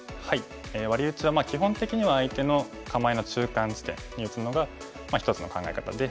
ワリウチは基本的には相手の構えの中間地点に打つのが一つの考え方で。